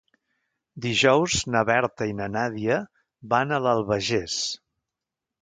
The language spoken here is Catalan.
Dijous na Berta i na Nàdia van a l'Albagés.